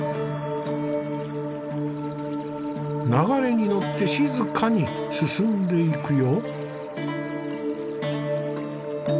流れに乗って静かに進んでいくよ。